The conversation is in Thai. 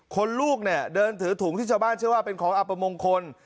ลูกเนี่ยเดินถือถุงที่ชาวบ้านเชื่อว่าเป็นของอัปมงคล